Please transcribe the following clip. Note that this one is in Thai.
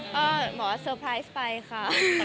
ก็บอกว่าเซอร์ไพรส์ไปค่ะ